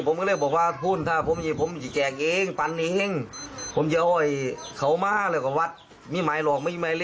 พี่สาวคนที่๒กับพี่สาวคนที่๑เห็นเข้าไปถ่ายแล้วนะ